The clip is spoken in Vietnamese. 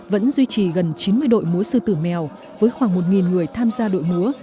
vẫn duy trì gần chín mươi đội múa sư tử mèo với khoảng một người tham gia đội múa